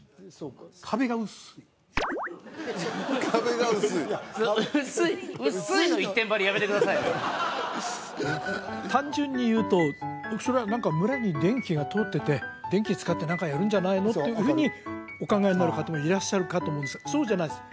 壁が薄い壁が薄い単純にいうとそれは何か村に電気が通ってて電気使って何かやるんじゃないの？っていうふうにお考えになる方もいらっしゃるかと思うんですがそうじゃないです